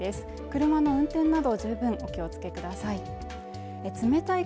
車の運転など十分お気をつけください